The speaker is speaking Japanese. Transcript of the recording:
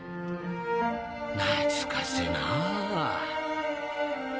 懐かしいなぁ。